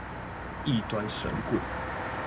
異端神棍